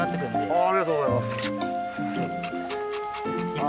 ありがとうございます。